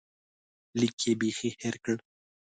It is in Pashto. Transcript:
لیک یې بیخي هېر کړ.